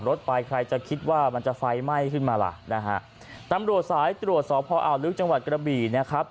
รถไปใครจะคิดว่ามันจะไฟไหม้ขึ้นมาล่ะนะฮะตำรวจสายตรวจสอบพออ่าวลึกจังหวัดกระบี่นะครับ